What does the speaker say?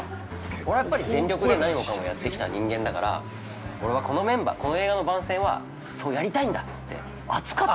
俺は、やっぱり全力で何もかもやってきた人間だから俺は、このメンバーこの映画の番宣はやりたいんだってつって熱かった。